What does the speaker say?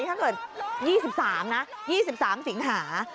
ถ้าเกิด๒๓สิงหา